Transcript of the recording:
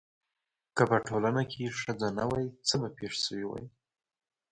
که په ټولنه کې ښځه نه وای څه به پېښ شوي واي؟